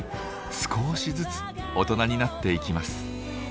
少しずつ大人になっていきます。